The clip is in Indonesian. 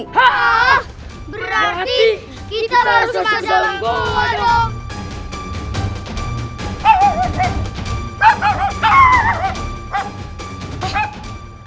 haaa berarti kita harus ke dalam gua dong